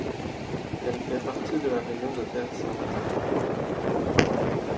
Elle fait partie de la région de Terre Sainte.